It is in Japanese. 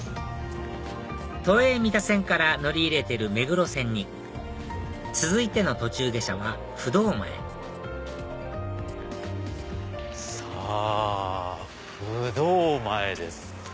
都営三田線から乗り入れている目黒線に続いての途中下車は不動前さぁ不動前です。